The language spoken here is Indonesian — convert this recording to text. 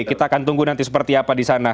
kita akan tunggu nanti seperti apa di sana